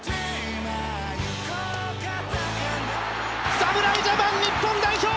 侍ジャパン、日本代表